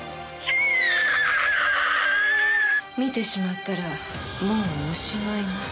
見てしまったらもうおしまいね